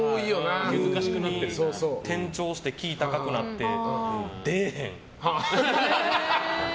急に転調してキーが高くなって出えへん。